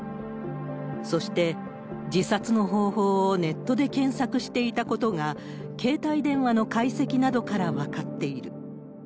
そして、自殺の方法をネットで検索していたことが、携帯電話の解析などから分かっている。